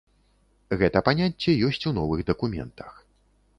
Гэта паняцце ёсць у новых дакументах.